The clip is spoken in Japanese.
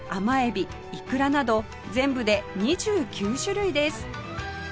イクラなど全部で２９種類です